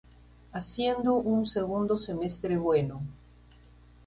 Haciendo un segundo semestre bueno.